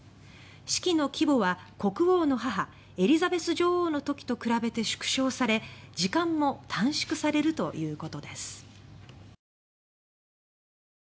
式の規模は、国王の母エリザベス女王のときと比べて縮小され時間も短縮されるということです。